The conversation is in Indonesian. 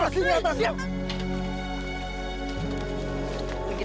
mas kau malam banget